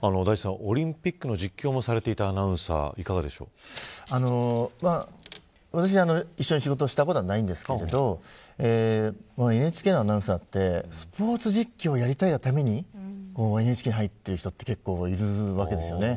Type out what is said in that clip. オリンピックの実況もされていたアナウンサー一緒に仕事をしたことはないんですけどＮＨＫのアナウンサーってスポーツ実況をやりたいがためにＮＨＫに入っている人は結構いるわけですよね。